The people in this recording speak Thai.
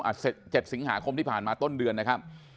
๗สิงหาคมที่ผ่านมาต้นเดือนนะครับ